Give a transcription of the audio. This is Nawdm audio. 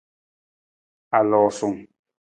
Aloosung.